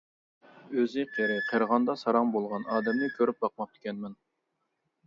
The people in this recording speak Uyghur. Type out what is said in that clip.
ئۆزى قېرى، قېرىغاندا ساراڭ بولغان ئادەمنى كۆرۈپ باقماپتىكەنمەن.